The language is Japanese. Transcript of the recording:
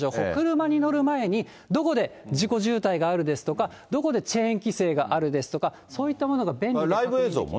車に乗る前にどこで事故渋滞があるですとか、どこでチェーン規制があるですとか、そういったものが便利で確認できます。